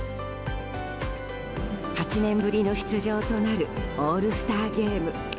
８年ぶりの出場となるオールスターゲーム。